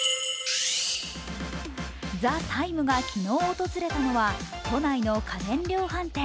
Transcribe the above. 「ＴＨＥＴＩＭＥ，」が昨日訪れたのは都内の家電量販店。